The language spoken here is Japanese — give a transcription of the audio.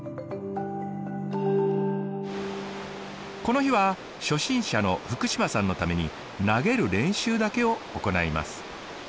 この日は初心者の福島さんのために投げる練習だけを行います。